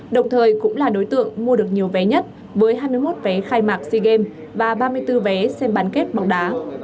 đồng thời cũng là đối tượng mua được nhiều vé nhất với hai mươi một vé khai mạc sea games và ba mươi bốn vé xem bán kết bóng đá